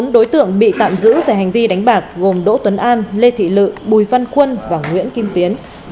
bốn đối tượng bị tạm giữ về hành vi đánh bạc gồm đỗ tuấn an lê thị lự bùi văn quân và nguyễn kim tiến